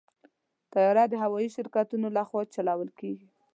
طیاره د هوايي شرکتونو لخوا چلول کېږي.